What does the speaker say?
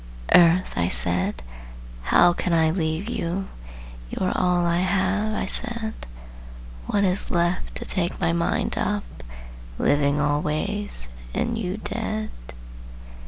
"Earth," I said, "how can I leave you?" "You are all I have," I said; "What is left to take my mind up, Living always, and you dead?"